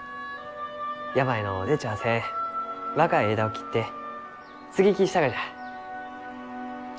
病の出ちゃあせん若い枝を切って接ぎ木したがじゃ。